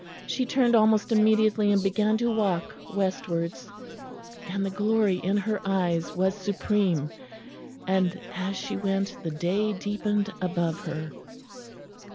She turned almost immediately and began to walk westwards, and the glory in her eyes was supreme. And as she went the day deepened above her.